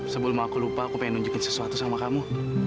sebelum aku lupa aku pengen nunjukin sesuatu sama kamu